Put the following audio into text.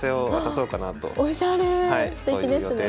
そういう予定です。